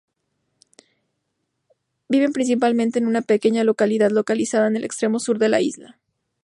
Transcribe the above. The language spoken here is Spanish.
Viven principalmente en una pequeña localidad localizada en el extremo sur de la isla.